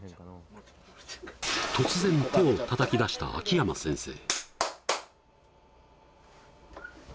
突然手を叩きだした秋山先生